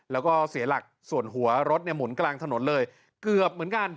แล้วก็เสียหลักส่วนหัวรถเนี่ยหมุนกลางถนนเลยเกือบเหมือนกัน